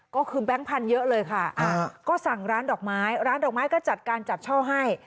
ก็คือแบงค์พันธุ์เยอะเลยค่ะก็สั่งร้านดอกไม้ร้านดอกไม้ก็จัดการจับเช่าให้